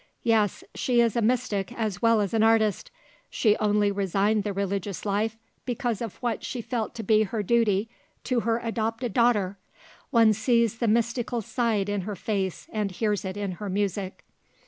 Yes, she is a mystic as well as an artist; she only resigned the religious life because of what she felt to be her duty to her adopted daughter. One sees the mystical side in her face and hears it in her music."